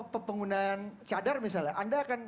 penggunaan cadar misalnya anda akan